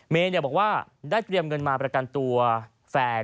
เมย์บอกว่าได้เตรียมเงินมาประกันตัวแฟน